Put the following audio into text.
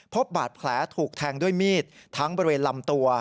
พบบาดแผลถูกแทงด้วยมีดทั้งบริเวณลำตัว